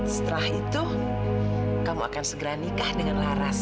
setelah itu kamu akan segera nikah dengan laras